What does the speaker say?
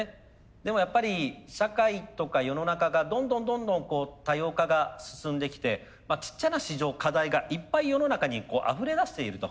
でもやっぱり社会とか世の中がどんどんどんどんこう多様化が進んできてちっちゃな市場課題がいっぱい世の中にあふれ出していると。